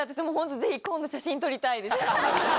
ぜひ今度写真撮りたいです。